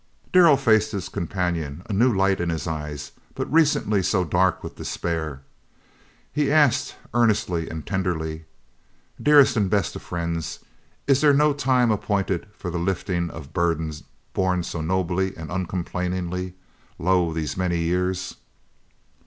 Darrell faced his companion, a new light in his eyes but recently so dark with despair, as he asked, earnestly and tenderly, "Dearest and best of friends, is there no time appointed for the lifting of the burden borne so nobly and uncomplainingly, 'lo, these many years?'"